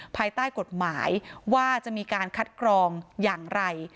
ภายใต้กฎหมายว่าจะมีการคัดกรองอย่างไร